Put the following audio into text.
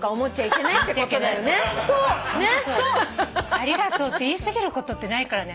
ありがとうって言い過ぎることってないからね。